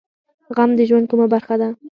غم د ژوند کومه برخه ده؟